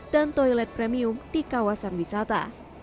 dan toilet premium di kawasan wisata